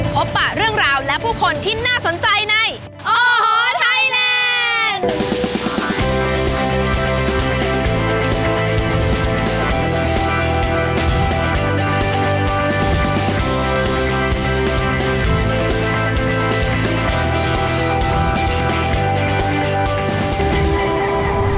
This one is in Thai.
ปะเรื่องราวและผู้คนที่น่าสนใจในโอ้โหไทยแลนด์